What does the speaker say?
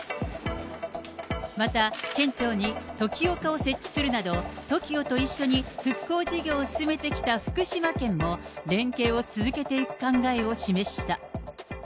また、県庁にＴＯＫＩＯ棟を設置するなど、ＴＯＫＩＯと一緒に復興事業を進めてきた福島県も、連携を続けていく考えを示した。